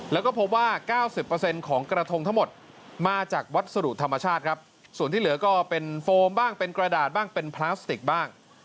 แล้วก็พบว่า๙๐ของกระทงทั้งหมดมาจากวัสดุธรรมชาติครับส่วนที่เหลือก็เป็นโฟมบ้างเป็นกระดาษบ้างเป็นพลาสติกบ้าง